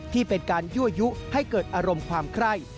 ที่เป็นการยั่วยุให้เกิดอารมณ์ความไคร้